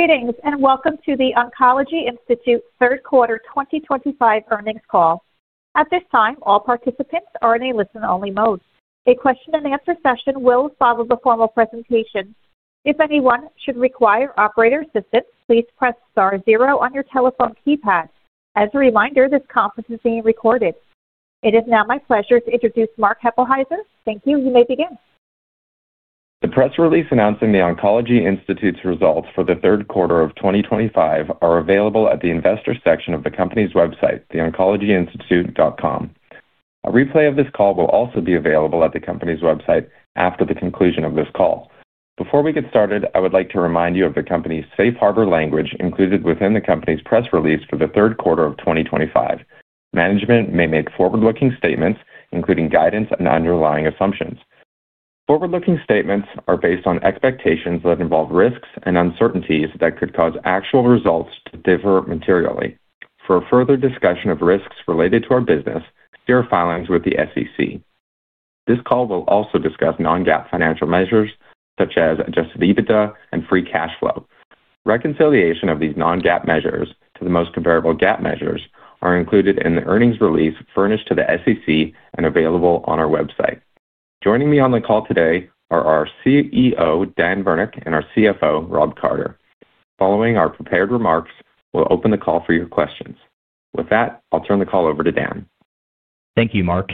Greetings and welcome to The Oncology Institute third quarter 2025 earnings call. At this time, all participants are in a listen-only mode. A question-and-answer session will follow the formal presentation. If anyone should require operator assistance, please press star zero on your telephone keypad. As a reminder, this conference is being recorded. It is now my pleasure to introduce Mark Hueppelsheuser. Thank you. You may begin. The press release announcing The Oncology Institute's results for the third quarter of 2025 are available at the investor section of the company's website, theoncologyinstitute.com. A replay of this call will also be available at the company's website after the conclusion of this call. Before we get started, I would like to remind you of the company's safe harbor language included within the company's press release for the third quarter of 2025. Management may make forward-looking statements, including guidance and underlying assumptions. Forward-looking statements are based on expectations that involve risks and uncertainties that could cause actual results to differ materially. For further discussion of risks related to our business, share filings with the SEC. This call will also discuss non-GAAP financial measures such as adjusted EBITDA and free cash flow. Reconciliation of these non-GAAP measures to the most comparable GAAP measures is included in the earnings release furnished to the SEC and available on our website. Joining me on the call today are our CEO, Dan Virnich, and our CFO, Rob Carter. Following our prepared remarks, we'll open the call for your questions. With that, I'll turn the call over to Dan. Thank you, Mark.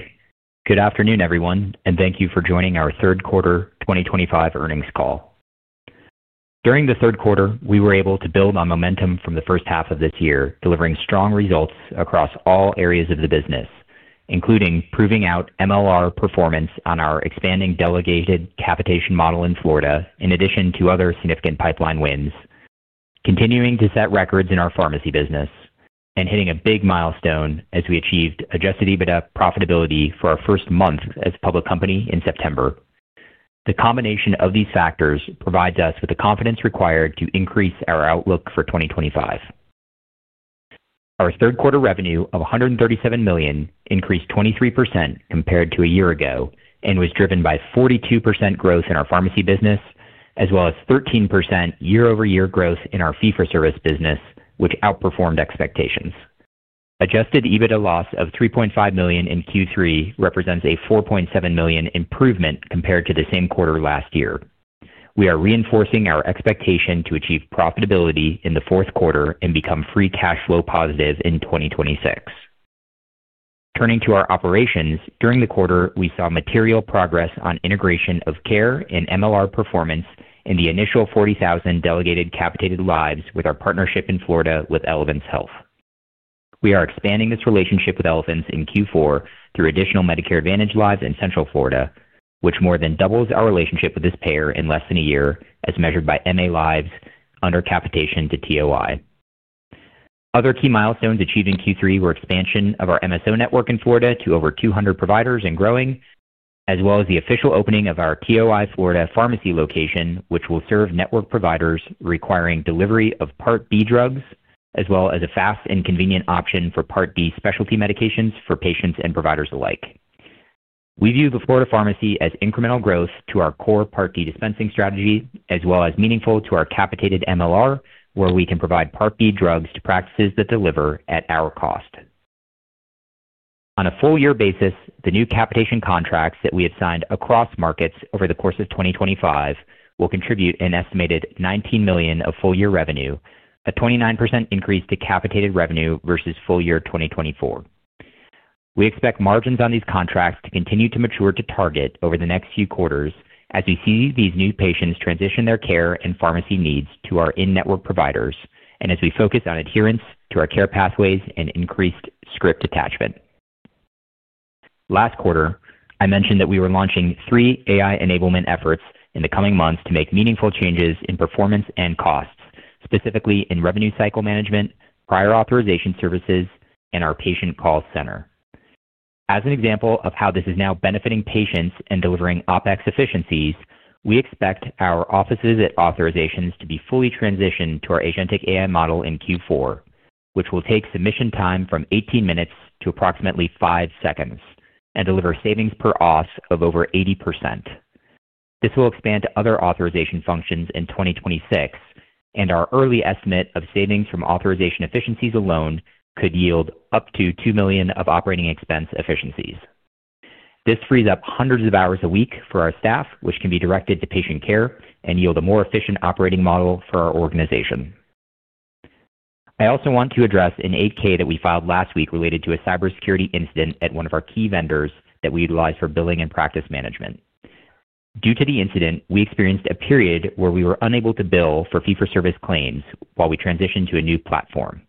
Good afternoon, everyone, and thank you for joining our third quarter 2025 earnings call. During the third quarter, we were able to build on momentum from the first half of this year, delivering strong results across all areas of the business, including proving out MLR performance on our expanding delegated capitation model in Florida, in addition to other significant pipeline wins, continuing to set records in our Pharmacy business, and hitting a big milestone as we achieved adjusted EBITDA profitability for our first month as a public company in September. The combination of these factors provides us with the confidence required to increase our outlook for 2025. Our third quarter revenue of $137 million increased 23% compared to a year ago and was driven by 42% growth in our Pharmacy business, as well as 13% year-over-year growth in our fee-for-service business, which outperformed expectations. Adjusted EBITDA loss of $3.5 million in Q3 represents a $4.7 million improvement compared to the same quarter last year. We are reinforcing our expectation to achieve profitability in the fourth quarter and become free cash flow positive in 2026. Turning to our operations, during the quarter, we saw material progress on integration of care and MLR performance in the initial 40,000 delegated capitated lives with our partnership in Florida with Elevance Health. We are expanding this relationship with Elevance in Q4 through additional Medicare Advantage lives in Central Florida, which more than doubles our relationship with this payer in less than a year, as measured by MA lives under capitation to TOI. Other key milestones achieved in Q3 were expansion of our MSO network in Florida to over 200 providers and growing, as well as the official opening of our TOI Florida pharmacy location, which will serve network providers requiring delivery of Part B drugs, as well as a fast and convenient option for Part B specialty medications for patients and providers alike. We view the Florida pharmacy as incremental growth to our core Part D dispensing strategy, as well as meaningful to our capitated MLR, where we can provide Part B drugs to practices that deliver at our cost. On a full-year basis, the new capitation contracts that we have signed across markets over the course of 2025 will contribute an estimated $19 million of full-year revenue, a 29% increase to capitated revenue versus full-year 2024. We expect margins on these contracts to continue to mature to target over the next few quarters as we see these new patients transition their care and pharmacy needs to our in-network providers, and as we focus on adherence to our care pathways and increased script attachment. Last quarter, I mentioned that we were launching three AI enablement efforts in the coming months to make meaningful changes in performance and costs, specifically in revenue cycle management, prior authorization services, and our patient call center. As an example of how this is now benefiting patients and delivering OpEx efficiencies, we expect our offices at authorizations to be fully transitioned to our agentic AI model in Q4, which will take submission time from 18 minutes to approximately 5 seconds and deliver savings per auth of over 80%. This will expand to other authorization functions in 2026, and our early estimate of savings from authorization efficiencies alone could yield up to $2 million of operating expense efficiencies. This frees up hundreds of hours a week for our staff, which can be directed to patient care and yield a more efficient operating model for our organization. I also want to address an 8-K that we filed last week related to a cybersecurity incident at one of our key vendors that we utilize for billing and practice management. Due to the incident, we experienced a period where we were unable to bill for fee-for-service claims while we transitioned to a new platform.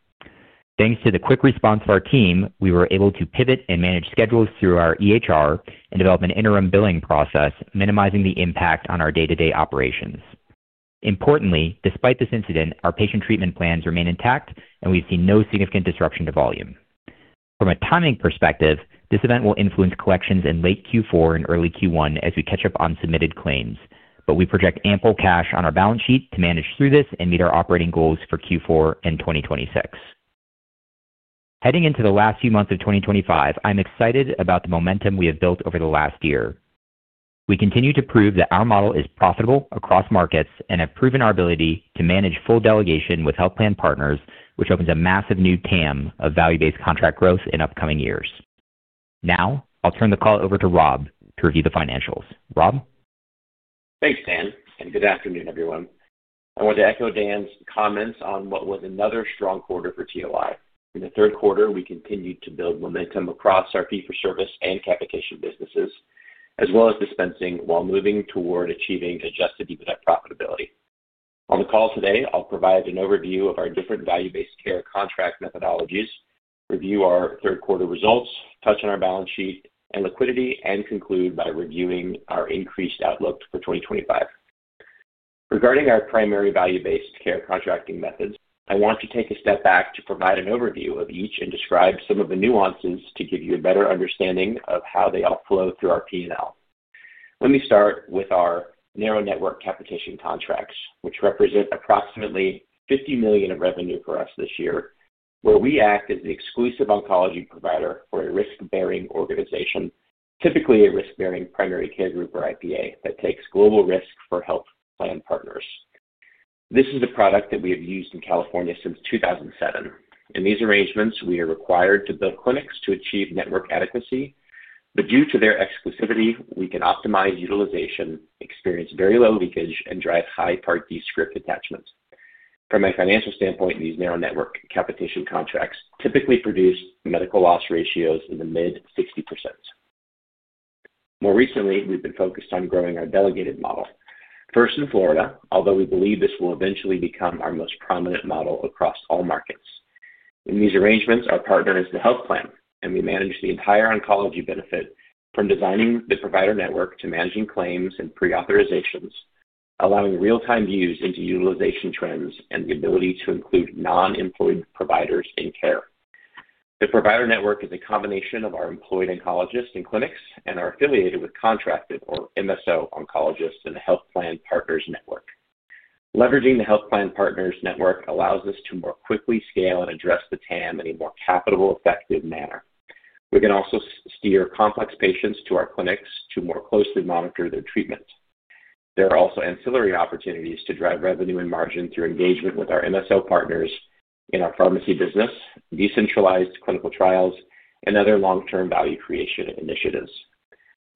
Thanks to the quick response of our team, we were able to pivot and manage schedules through our EHR and develop an interim billing process, minimizing the impact on our day-to-day operations. Importantly, despite this incident, our patient treatment plans remain intact, and we've seen no significant disruption to volume. From a timing perspective, this event will influence collections in late Q4 and early Q1 as we catch up on submitted claims, but we project ample cash on our balance sheet to manage through this and meet our operating goals for Q4 and 2026. Heading into the last few months of 2025, I'm excited about the momentum we have built over the last year. We continue to prove that our model is profitable across markets and have proven our ability to manage full delegation with health plan partners, which opens a massive new TAM of value-based contract growth in upcoming years. Now, I'll turn the call over to Rob to review the financials. Rob? Thanks, Dan, and good afternoon, everyone. I want to echo Dan's comments on what was another strong quarter for TOI. In the third quarter, we continued to build momentum across our fee-for-service and capitation businesses, as well as dispensing while moving toward achieving adjusted EBITDA profitability. On the call today, I'll provide an overview of our different value-based care contract methodologies, review our third-quarter results, touch on our balance sheet and liquidity, and conclude by reviewing our increased outlook for 2025. Regarding our primary value-based care contracting methods, I want to take a step back to provide an overview of each and describe some of the nuances to give you a better understanding of how they all flow through our P&L. Let me start with our narrow network capitation contracts, which represent approximately $50 million of revenue for us this year, where we act as the exclusive oncology provider for a risk-bearing organization, typically a risk-bearing primary care group or IPA that takes global risk for health plan partners. This is a product that we have used in California since 2007. In these arrangements, we are required to build clinics to achieve network adequacy, but due to their exclusivity, we can optimize utilization, experience very low leakage, and drive high Part D script attachments. From a financial standpoint, these narrow network capitation contracts typically produce medical loss ratios in the mid-60%. More recently, we've been focused on growing our delegated model, first in Florida, although we believe this will eventually become our most prominent model across all markets. In these arrangements, our partner is the health plan, and we manage the entire oncology benefit from designing the provider network to managing claims and pre-authorizations, allowing real-time views into utilization trends and the ability to include non-employed providers in care. The provider network is a combination of our employed oncologists in clinics and our affiliated with contracted or MSO oncologists in the health plan partners network. Leveraging the health plan partners network allows us to more quickly scale and address the TAM in a more capitated effective manner. We can also steer complex patients to our clinics to more closely monitor their treatment. There are also ancillary opportunities to drive revenue and margin through engagement with our MSO partners in our Pharmacy business, decentralized clinical trials, and other long-term value creation initiatives.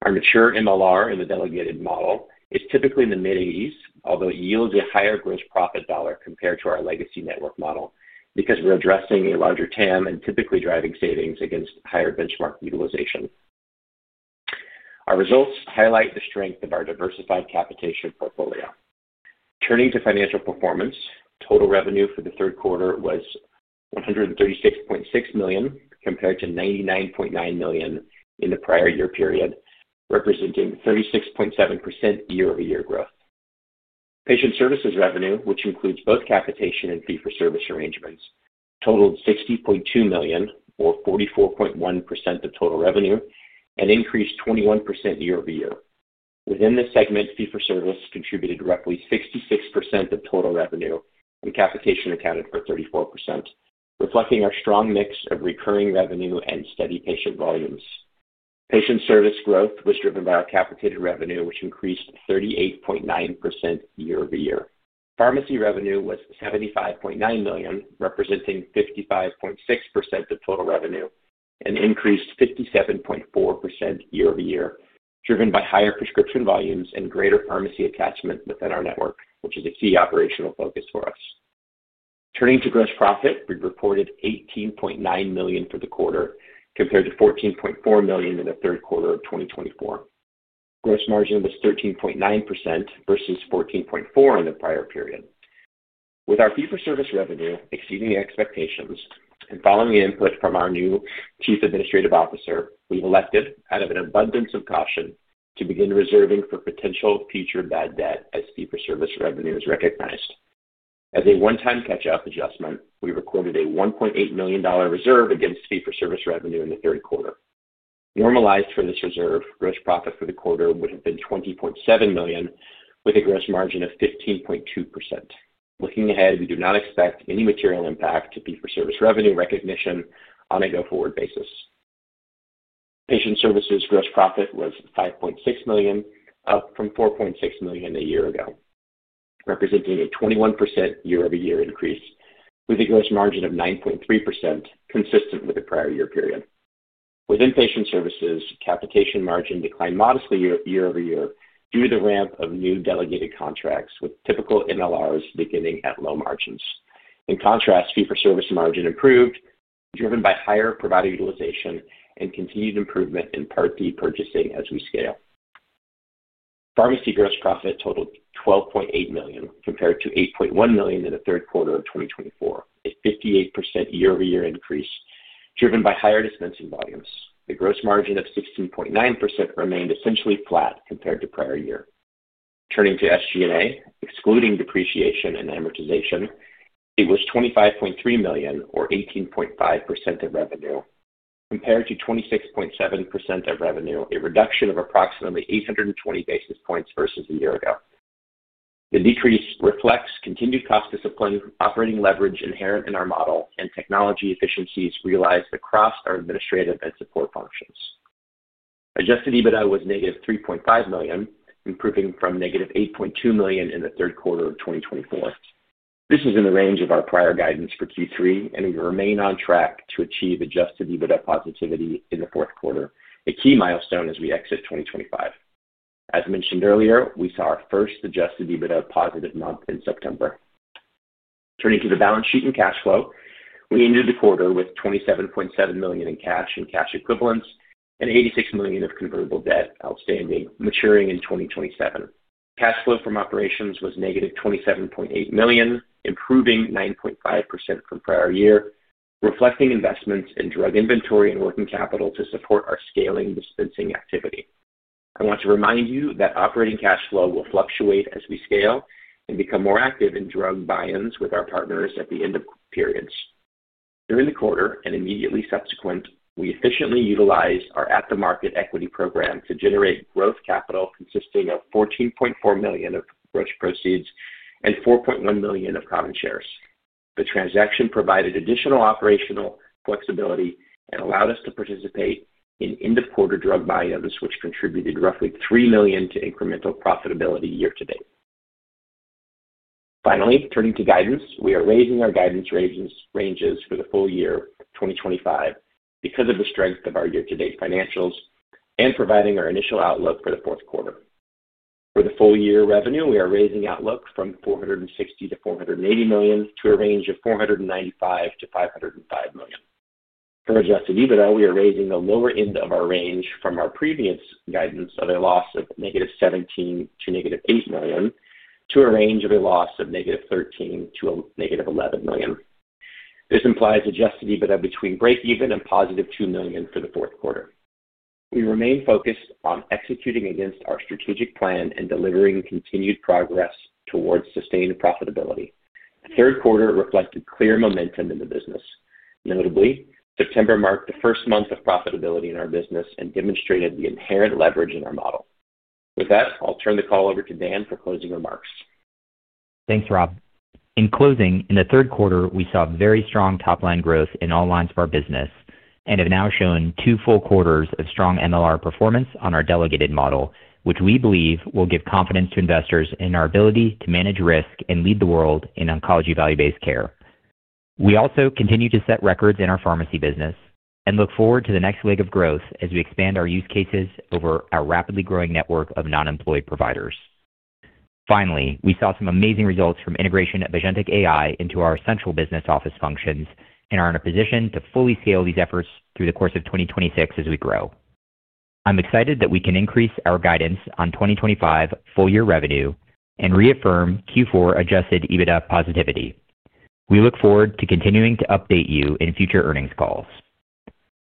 Our mature MLR in the delegated model is typically in the mid-80s, although it yields a higher gross profit dollar compared to our legacy network model because we're addressing a larger TAM and typically driving savings against higher benchmark utilization. Our results highlight the strength of our diversified capitation portfolio. Turning to financial performance, total revenue for the third quarter was $136.6 million compared to $99.9 million in the prior year period, representing 36.7% year-over-year growth. Patient services revenue, which includes both capitation and fee-for-service arrangements, totaled $60.2 million, or 44.1% of total revenue, and increased 21% year-over-year. Within this segment, fee-for-service contributed roughly 66% of total revenue, and capitation accounted for 34%, reflecting our strong mix of recurring revenue and steady patient volumes. Patient service growth was driven by our capitated revenue, which increased 38.9% year-over-year. Pharmacy revenue was $75.9 million, representing 55.6% of total revenue, and increased 57.4% year-over-year, driven by higher prescription volumes and greater pharmacy attachment within our network, which is a key operational focus for us. Turning to gross profit, we reported $18.9 million for the quarter compared to $14.4 million in the third quarter of 2024. Gross margin was 13.9% versus 14.4% in the prior period. With our fee-for-service revenue exceeding expectations and following input from our new Chief Administrative Officer, we've elected, out of an abundance of caution, to begin reserving for potential future bad debt as fee-for-service revenue is recognized. As a one-time catch-up adjustment, we recorded a $1.8 million reserve against fee-for-service revenue in the third quarter. Normalized for this reserve, gross profit for the quarter would have been $20.7 million, with a gross margin of 15.2%. Looking ahead, we do not expect any material impact to fee-for-service revenue recognition on a go-forward basis. Patient services gross profit was $5.6 million, up from $4.6 million a year ago, representing a 21% year-over-year increase with a gross margin of 9.3%, consistent with the prior year period. Within patient services, capitation margin declined modestly year-over-year due to the ramp of new delegated contracts with typical MLRs beginning at low margins. In contrast, fee-for-service margin improved, driven by higher provider utilization and continued improvement in Part D purchasing as we scale. Pharmacy gross profit totaled $12.8 million compared to $8.1 million in the third quarter of 2024, a 58% year-over-year increase driven by higher dispensing volumes. The gross margin of 16.9% remained essentially flat compared to prior year. Turning to SG&A, excluding depreciation and amortization, it was $25.3 million, or 18.5% of revenue, compared to 26.7% of revenue, a reduction of approximately 820 basis points versus a year ago. The decrease reflects continued cost discipline, operating leverage inherent in our model, and technology efficiencies realized across our administrative and support functions. Adjusted EBITDA was -$3.5 million, improving from -$8.2 million in the third quarter of 2024. This is in the range of our prior guidance for Q3, and we remain on track to achieve adjusted EBITDA positivity in the fourth quarter, a key milestone as we exit 2025. As mentioned earlier, we saw our first adjusted EBITDA positive month in September. Turning to the balance sheet and cash flow, we ended the quarter with $27.7 million in cash and cash equivalents and $86 million of convertible debt outstanding, maturing in 2027. Cash flow from operations was -$27.8 million, improving 9.5% from prior year, reflecting investments in drug inventory and working capital to support our scaling dispensing activity. I want to remind you that operating cash flow will fluctuate as we scale and become more active in drug buy-ins with our partners at the end of periods. During the quarter and immediately subsequent, we efficiently utilized our at-the-market equity program to generate growth capital consisting of $14.4 million of gross proceeds and $4.1 million of common shares. The transaction provided additional operational flexibility and allowed us to participate in end-of-quarter drug buy-ins, which contributed roughly $3 million to incremental profitability year-to-date. Finally, turning to guidance, we are raising our guidance ranges for the full year 2025 because of the strength of our year-to-date financials and providing our initial outlook for the fourth quarter. For the full-year revenue, we are raising outlook from $460 million-$480 million to a range of $495 million-$505 million. For adjusted EBITDA, we are raising the lower end of our range from our previous guidance of a loss of -$17 million to -$8 million to a range of a loss of -$13 million to -$11 million. This implies adjusted EBITDA between break-even and +$2 million for the fourth quarter. We remain focused on executing against our strategic plan and delivering continued progress towards sustained profitability. The third quarter reflected clear momentum in the business. Notably, September marked the first month of profitability in our business and demonstrated the inherent leverage in our model. With that, I'll turn the call over to Dan for closing remarks. Thanks, Rob. In closing, in the third quarter, we saw very strong top-line growth in all lines of our business and have now shown two full quarters of strong MLR performance on our delegated model, which we believe will give confidence to investors in our ability to manage risk and lead the world in oncology value-based care. We also continue to set records in our Pharmacy business and look forward to the next wave of growth as we expand our use cases over our rapidly growing network of non-employed providers. Finally, we saw some amazing results from integration of agentic AI into our central business office functions and are in a position to fully scale these efforts through the course of 2026 as we grow. I'm excited that we can increase our guidance on 2025 full-year revenue and reaffirm Q4 adjusted EBITDA positivity. We look forward to continuing to update you in future earnings calls.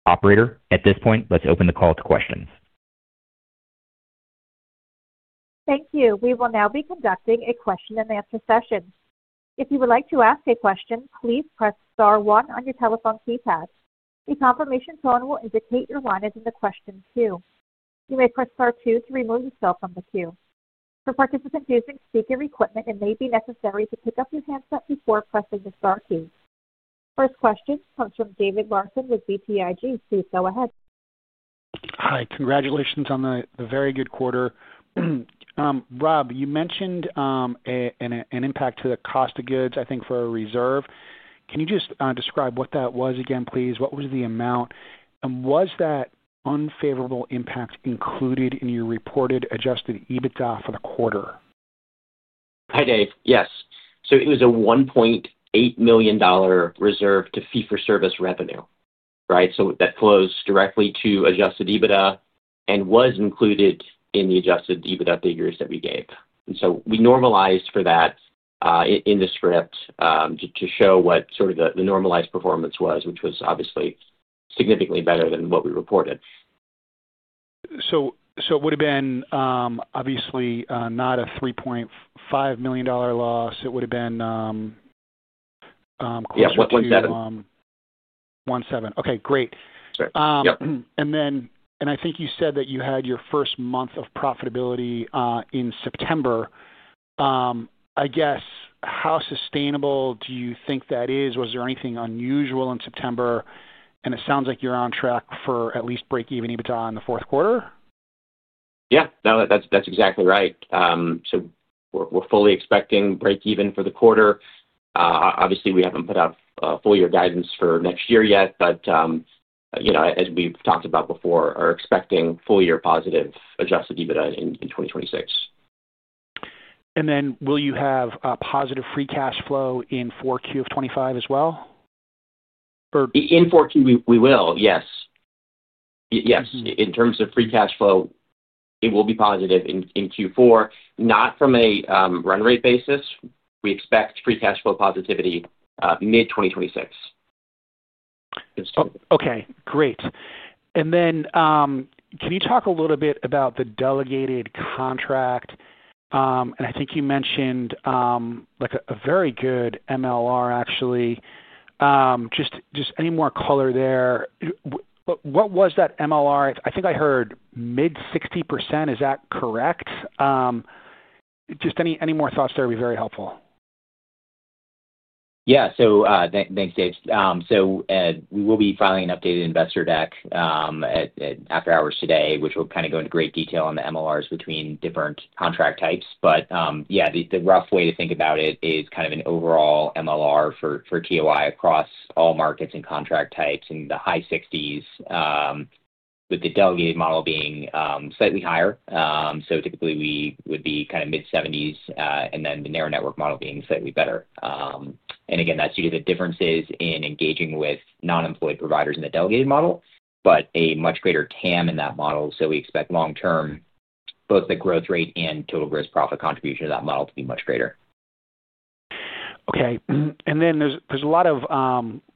Operator, at this point, let's open the call to questions. Thank you. We will now be conducting a question-and-answer session. If you would like to ask a question, please press star one on your telephone keypad. The confirmation tone will indicate your line is in the question queue. You may press star two to remove yourself from the queue. For participants using speaker equipment, it may be necessary to pick up your handset before pressing the star key. First question comes from David Larsen with BTIG. Please go ahead. Hi. Congratulations on the very good quarter. Rob, you mentioned an impact to the cost of goods, I think, for a reserve. Can you just describe what that was again, please? What was the amount? Was that unfavorable impact included in your reported adjusted EBITDA for the quarter? Hi, Dave. Yes. It was a $1.8 million reserve to fee-for-service revenue, right? That flows directly to adjusted EBITDA and was included in the adjusted EBITDA figures that we gave. We normalized for that in the script to show what sort of the normalized performance was, which was obviously significantly better than what we reported. It would have been obviously not a $3.5 million loss. It would have been closer to. Yes, $1.7 million. Okay. Great. I think you said that you had your first month of profitability in September. I guess, how sustainable do you think that is? Was there anything unusual in September? It sounds like you're on track for at least break-even EBITDA in the fourth quarter. Yeah. That's exactly right. We are fully expecting break-even for the quarter. Obviously, we have not put out full-year guidance for next year yet, but as we have talked about before, we are expecting full-year positive adjusted EBITDA in 2026. Will you have a positive free cash flow in Q4 of 2025 as well? In Q4, we will. Yes. Yes. In terms of free cash flow, it will be positive in Q4, not from a run rate basis. We expect free cash flow positivity mid-2026. Okay. Great. Can you talk a little bit about the delegated contract? I think you mentioned a very good MLR, actually. Just any more color there? What was that MLR? I think I heard mid-60%. Is that correct? Just any more thoughts there would be very helpful. Yeah. So thanks, Dave. We will be filing an updated investor deck after hours today, which will kind of go into great detail on the MLRs between different contract types. The rough way to think about it is kind of an overall MLR for TOI across all markets and contract types in the high 60s, with the delegated model being slightly higher. Typically, we would be kind of mid-70s and then the narrow network model being slightly better. That is due to the differences in engaging with non-employed providers in the delegated model, but a much greater TAM in that model. We expect long-term both the growth rate and total gross profit contribution to that model to be much greater. Okay. There is a lot of,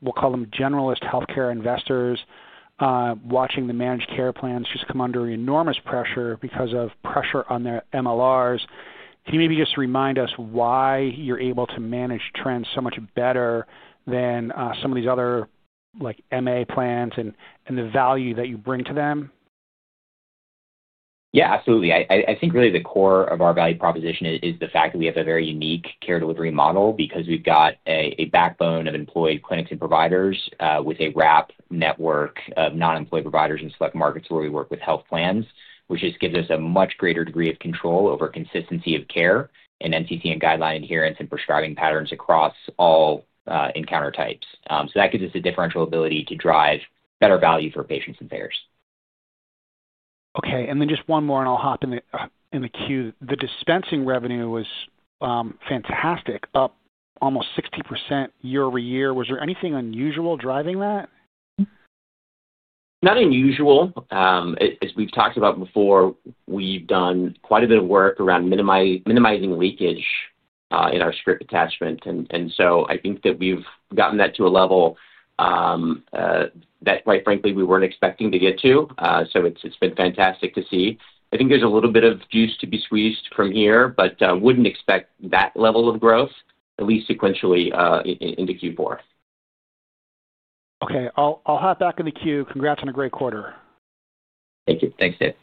we'll call them, generalist healthcare investors watching the managed care plans just come under enormous pressure because of pressure on their MLRs. Can you maybe just remind us why you're able to manage trends so much better than some of these other MA plans and the value that you bring to them? Yeah. Absolutely. I think really the core of our value proposition is the fact that we have a very unique care delivery model because we've got a backbone of employed clinics and providers with a wrap network of non-employed providers in select markets where we work with health plans, which just gives us a much greater degree of control over consistency of care and NCCN guideline adherence and prescribing patterns across all encounter types. That gives us a differential ability to drive better value for patients and payers. Okay. Just one more, and I'll hop in the queue. The dispensing revenue was fantastic, up almost 60% year-over-year. Was there anything unusual driving that? Not unusual. As we've talked about before, we've done quite a bit of work around minimizing leakage in our script attachment. And so I think that we've gotten that to a level that, quite frankly, we weren't expecting to get to. So it's been fantastic to see. I think there's a little bit of juice to be squeezed from here, but I wouldn't expect that level of growth, at least sequentially into Q4. Okay. I'll hop back in the queue. Congrats on a great quarter. Thank you. Thanks, Dave.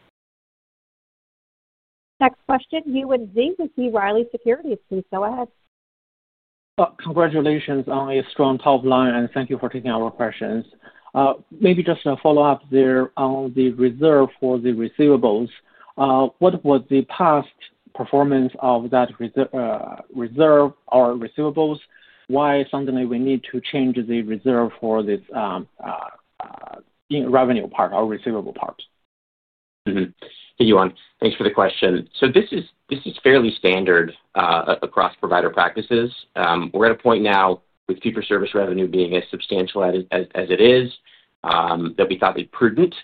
Next question, Yuan Zhi from B. Riley Securities. Please go ahead. Congratulations on a strong top line, and thank you for taking our questions. Maybe just a follow-up there on the reserve for the receivables. What was the past performance of that reserve or receivables? Why suddenly we need to change the reserve for this revenue part or receivable part? Thank you, Yuan. Thanks for the question. This is fairly standard across provider practices. We're at a point now with fee-for-service revenue being as substantial as it is that we thought it prudent.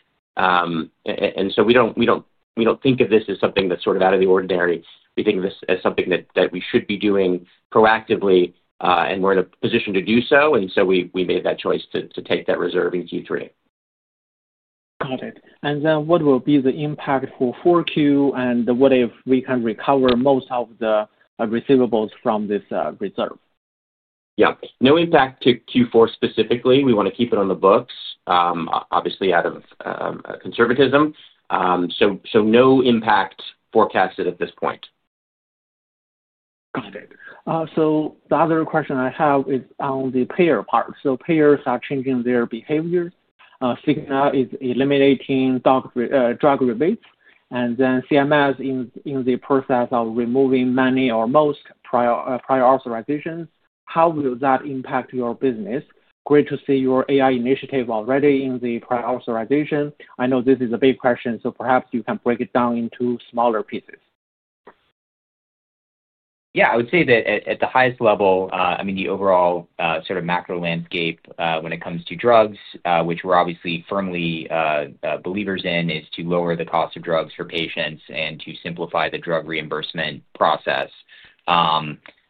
We don't think of this as something that's sort of out of the ordinary. We think of this as something that we should be doing proactively, and we're in a position to do so. We made that choice to take that reserve in Q3. Got it. What will be the impact for Q4, and what if we can recover most of the receivables from this reserve? Yeah. No impact to Q4 specifically. We want to keep it on the books, obviously out of conservatism. So no impact forecasted at this point. Got it. The other question I have is on the payer part. Payers are changing their behavior. Signal is eliminating drug rebates, and then CMS is in the process of removing many or most prior authorizations. How will that impact your business? Great to see your AI initiative already in the prior authorization. I know this is a big question, so perhaps you can break it down into smaller pieces. Yeah. I would say that at the highest level, I mean, the overall sort of macro landscape when it comes to drugs, which we're obviously firm believers in, is to lower the cost of drugs for patients and to simplify the drug reimbursement process.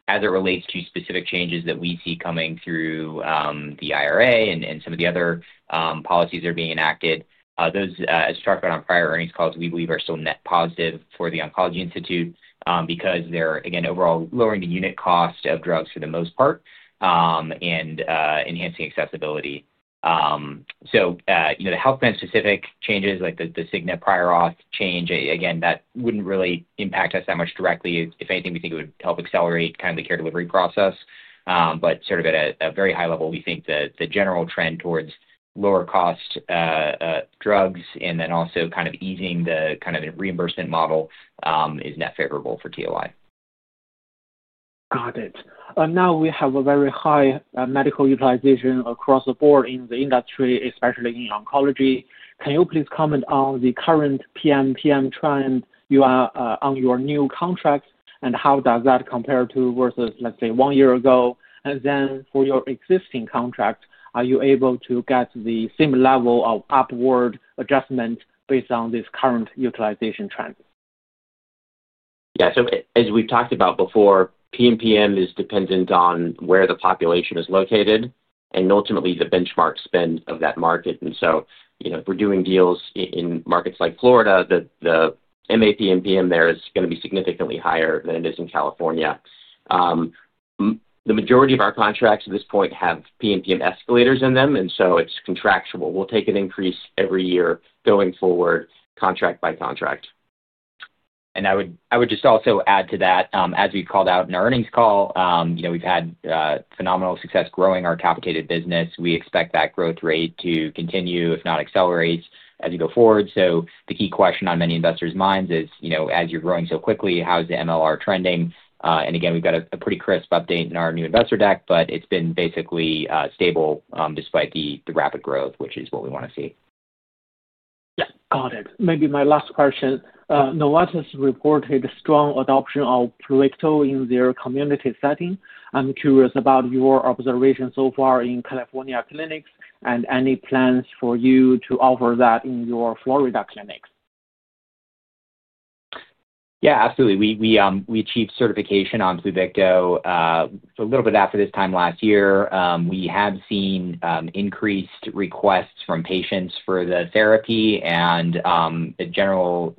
As it relates to specific changes that we see coming through the IRA and some of the other policies that are being enacted, those, as talked about on prior earnings calls, we believe are still net positive for The Oncology Institute because they're, again, overall lowering the unit cost of drugs for the most part and enhancing accessibility. The health plan-specific changes, like the Cigna prior auth change, again, that would not really impact us that much directly. If anything, we think it would help accelerate kind of the care delivery process. At a very high level, we think the general trend towards lower-cost drugs and then also kind of easing the kind of reimbursement model is net favorable for TOI. Got it. Now we have a very high medical utilization across the board in the industry, especially in oncology. Can you please comment on the current PM/PM trend on your new contract, and how does that compare to, let's say, one year ago? For your existing contract, are you able to get the same level of upward adjustment based on this current utilization trend? Yeah. As we've talked about before, PM/PM is dependent on where the population is located and ultimately the benchmark spend of that market. If we're doing deals in markets like Florida, the MA PM/PM there is going to be significantly higher than it is in California. The majority of our contracts at this point have PM/PM escalators in them, and it's contractual. We'll take an increase every year going forward, contract by contract. Yeah. I would just also add to that, as we called out in our earnings call, we've had phenomenal success growing our capitated business. We expect that growth rate to continue, if not accelerate, as we go forward. The key question on many investors' minds is, as you're growing so quickly, how is the MLR trending? We have a pretty crisp update in our new investor deck, but it has been basically stable despite the rapid growth, which is what we want to see. Yeah. Got it. Maybe my last question. Novartis reported strong adoption of Pluvicto in their community setting. I'm curious about your observation so far in California clinics and any plans for you to offer that in your Florida clinics. Yeah. Absolutely. We achieved certification on Pluvicto a little bit after this time last year. We have seen increased requests from patients for the therapy and generally,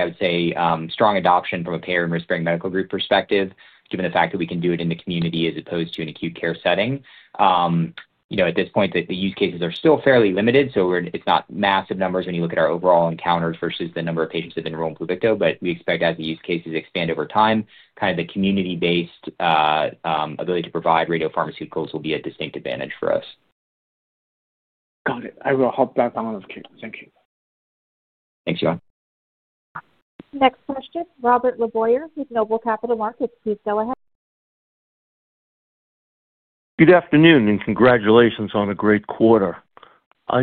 I would say, strong adoption from a payer and risk-bearing medical group perspective, given the fact that we can do it in the community as opposed to an acute care setting. At this point, the use cases are still fairly limited, so it's not massive numbers when you look at our overall encounters versus the number of patients that have enrolled in Pluvicto, but we expect as the use cases expand over time, kind of the community-based ability to provide radiopharmaceuticals will be a distinct advantage for us. Got it. I will hop back on the queue. Thank you. Thanks, Yuan. Next question, Robert LeBoyer with Noble Capital Markets. Please go ahead. Good afternoon and congratulations on a great quarter.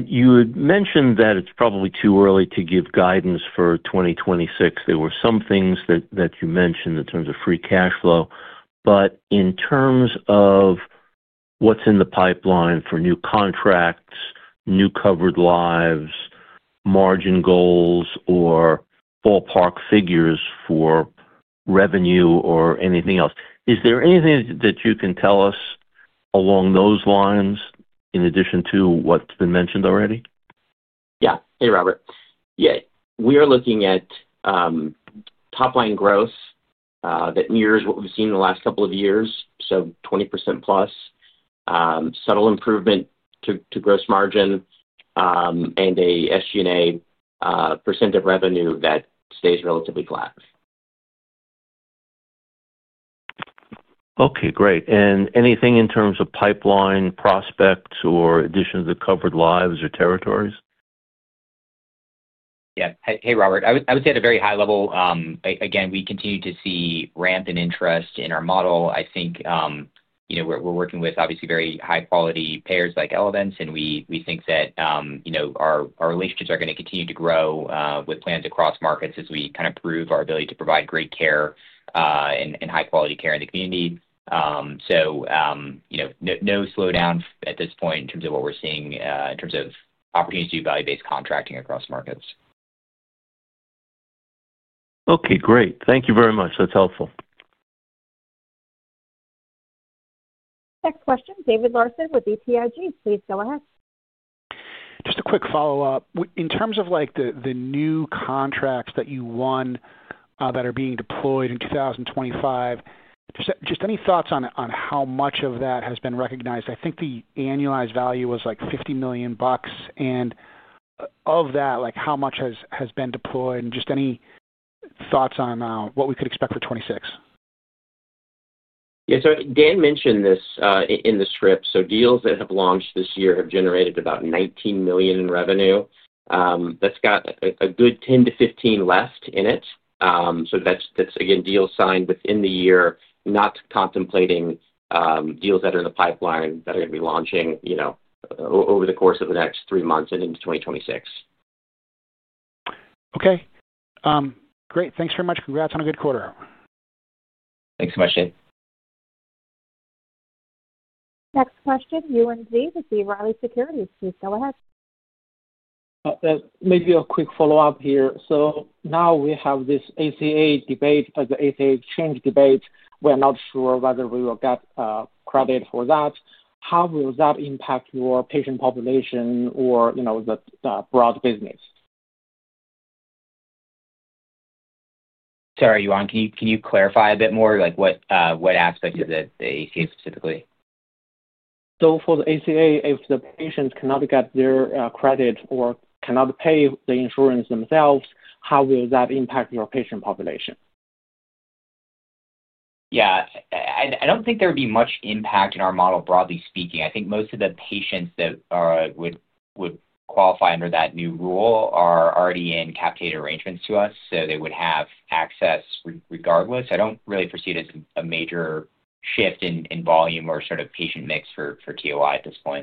You had mentioned that it's probably too early to give guidance for 2026. There were some things that you mentioned in terms of free cash flow, but in terms of what's in the pipeline for new contracts, new covered lives, margin goals, or ballpark figures for revenue or anything else, is there anything that you can tell us along those lines in addition to what's been mentioned already? Yeah. Hey, Robert. Yeah. We are looking at top-line growth that mirrors what we've seen in the last couple of years, so 20%+, subtle improvement to gross margin, and an SG&A percent of revenue that stays relatively flat. Okay. Great. Anything in terms of pipeline prospects or additions to covered lives or territories? Yeah. Hey, Robert. I would say at a very high level, again, we continue to see ramp in interest in our model. I think we're working with obviously very high-quality payers like Elevance, and we think that our relationships are going to continue to grow with plans across markets as we kind of prove our ability to provide great care and high-quality care in the community. No slowdown at this point in terms of what we're seeing in terms of opportunities to do value-based contracting across markets. Okay. Great. Thank you very much. That's helpful. Next question, David Larsen with BTIG. Please go ahead. Just a quick follow-up. In terms of the new contracts that you won that are being deployed in 2025, just any thoughts on how much of that has been recognized? I think the annualized value was like $50 million. And of that, how much has been deployed? Just any thoughts on what we could expect for 2026? Yeah. Dan mentioned this in the script. Deals that have launched this year have generated about $19 million in revenue. That has got a good $10 million-$15 million left in it. That is, again, deals signed within the year, not contemplating deals that are in the pipeline that are going to be launching over the course of the next three months and into 2026. Okay. Great. Thanks very much. Congrats on a good quarter. Thanks so much, Dave. Next question, Yuan Zhi with B. Riley Securities. Please go ahead. Maybe a quick follow-up here. Now we have this ACA debate or the ACA exchange debate. We're not sure whether we will get credit for that. How will that impact your patient population or the broad business? Sorry, Yuan. Can you clarify a bit more? What aspect is it, the ACA specifically? For the ACA, if the patients cannot get their credit or cannot pay the insurance themselves, how will that impact your patient population? Yeah. I don't think there would be much impact in our model, broadly speaking. I think most of the patients that would qualify under that new rule are already in capitated arrangements to us, so they would have access regardless. I don't really foresee it as a major shift in volume or sort of patient mix for TOI at this point.